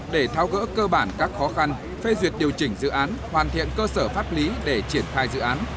để thao gỡ cơ bản các khó khăn phê duyệt điều chỉnh dự án hoàn thiện cơ sở pháp lý để triển khai dự án